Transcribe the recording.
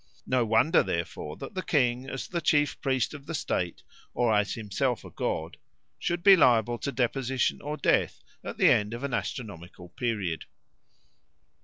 No wonder, therefore, that the king, as the chief priest of the state, or as himself a god, should be liable to deposition or death at the end of an astronomical period.